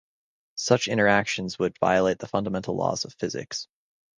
Such interactions would violate the fundamental laws of physics.